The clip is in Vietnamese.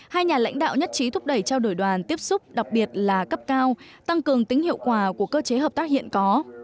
hai nhà lãnh đạo nhất trí thúc đẩy trao đổi đoàn tiếp xúc đặc biệt là cấp cao tăng cường tính hiệu quả của cơ chế hợp tác hiện có